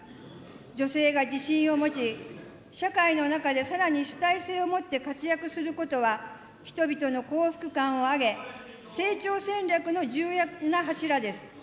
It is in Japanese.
女性が自信を持ち、社会の中でさらに主体性をもって活躍することは、人々の幸福感を上げ、成長戦略の重要な柱です。